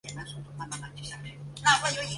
孙铂早期在大连实德梯队接受足球训练。